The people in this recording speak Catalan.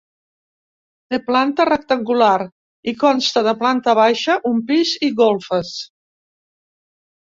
Té planta rectangular i consta de planta baixa, un pis i golfes.